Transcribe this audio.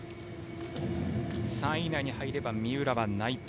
３位以内に入れば三浦は内定。